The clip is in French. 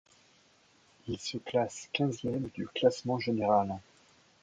Il se classe quinzième du classement général.